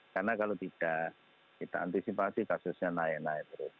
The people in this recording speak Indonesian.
karena kalau tidak kita antisipasi kasusnya naik naik terus